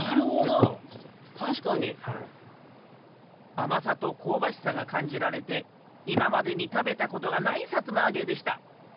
あまさとこうばしさがかんじられていままでにたべたことがないさつまあげでした